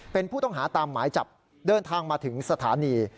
เป็นผู้ต้องหาตามหมายจับเดินทางมาถึงสถานี